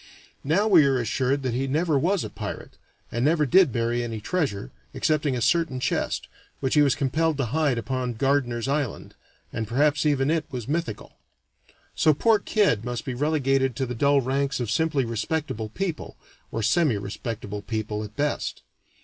Now we are assured that he never was a pirate, and never did bury any treasure, excepting a certain chest, which he was compelled to hide upon Gardiner's Island and perhaps even it was mythical. So poor Kidd must be relegated to the dull ranks of simply respectable people, or semirespectable people at best.